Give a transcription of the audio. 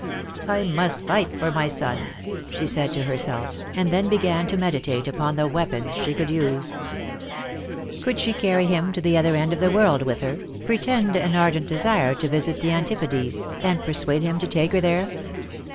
"I must fight for my son," she said to herself, and then began to meditate upon the weapons she could use. Could she carry him to the other end of the world with her, pretend an ardent desire to visit the Antipodes, and persuade him to take her there?